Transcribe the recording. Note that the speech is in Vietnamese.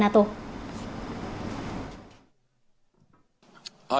ngoại truyền thông tin